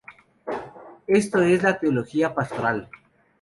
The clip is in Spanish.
Esto es la ‘teología pastoral’.